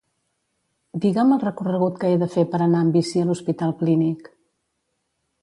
Digue'm el recorregut que he de fer per anar en bici a l'Hospital Clínic.